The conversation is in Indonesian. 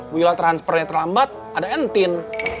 bu yola transfernya terlambat ada entin